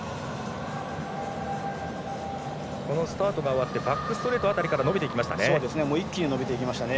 このスタートが終わってバックストレート辺りから一気に伸びていきましたね。